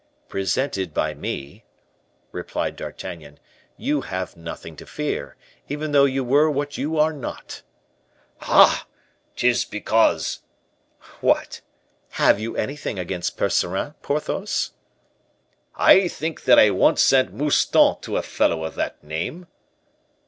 "Presented by me," replied D'Artagnan, "you have nothing to fear, even though you were what you are not." "Ah! 'tis because " "What? Have you anything against Percerin, Porthos?" "I think that I once sent Mouston to a fellow of that name."